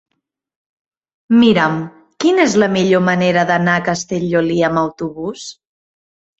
Mira'm quina és la millor manera d'anar a Castellolí amb autobús.